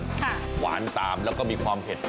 หวานตามแล้วก็มีความเผ็ด